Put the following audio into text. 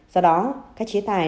do đó các chế tài